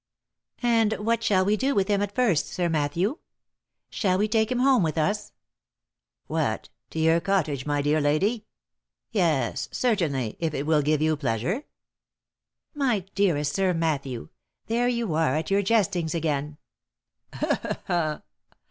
And what shall we do with him at first, Sir Matthew ? Shall we take him home with us ?"" What ! to your cottage, my dear lady ?— Yes, certainly, if it will srive you pleasure." "My dearest Sir Matthew! there you are at your jestings again." "Ha! ha! ha!